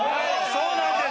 そうなんです！